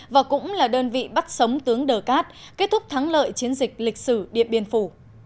và cũng là đơn vị bắt sống tướng đờ cát kết thúc thắng lợi chiến dịch lịch sử điện biên phủ